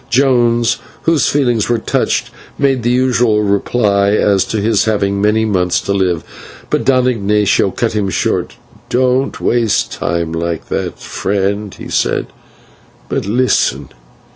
Jones, whose feelings were touched, made the usual reply as to his having many months to live, but Don Ignatio cut him short. "Don't waste time like that, friend," he said, "but listen.